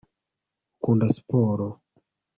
ukunda siporo